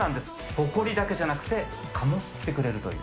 ほこりだけじゃなくて、蚊も吸ってくれるという。